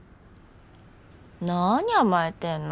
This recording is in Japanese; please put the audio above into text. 何甘えてるの？